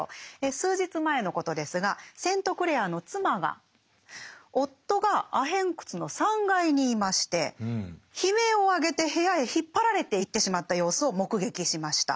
数日前のことですがセントクレアの妻が夫がアヘン窟の３階にいまして悲鳴を上げて部屋へ引っ張られていってしまった様子を目撃しました。